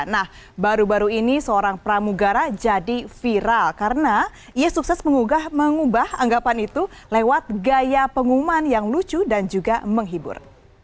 nah baru baru ini seorang pramugara jadi viral karena ia sukses mengubah anggapan itu lewat gaya pengumuman yang lucu dan juga menghibur